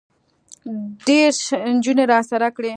دېرش نجونې راسره کړه.